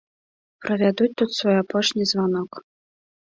Правядуць тут свой апошні званок.